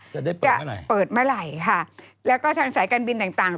จะได้เปิดเมื่อไหร่เปิดเมื่อไหร่ค่ะแล้วก็ทางสายการบินต่างต่าง